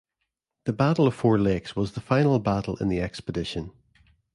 The Battle of Four Lakes was the final battle in the expedition.